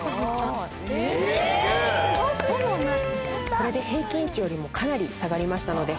これで平均値よりもかなり下がりましたので。